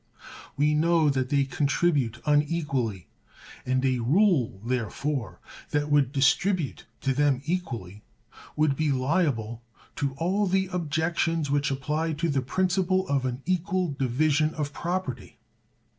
We know that they contribute unequally, and a rule, therefore, that would distribute to them equally would be liable to all the objections which apply to the principle of an equal division of property.